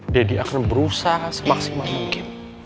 deddy akan berusaha semaksimal mungkin